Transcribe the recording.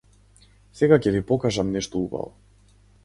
Сега ќе ви покажам нешто убаво.